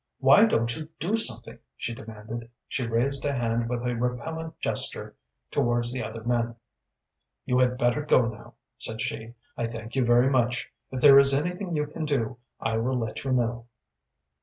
"Why don't you do something?" she demanded. She raised a hand with a repellant gesture towards the other men. "You had better go now," said she. "I thank you very much. If there is anything you can do, I will let you know."